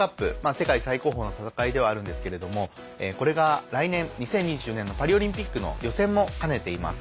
世界最高峰の戦いではあるんですけれどもこれが来年２０２４年のパリオリンピックの予選も兼ねています。